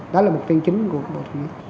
đó là mục tiêu chính của bộ thông tin